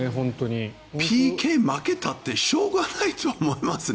ＰＫ、負けたってしょうがないと思いますね。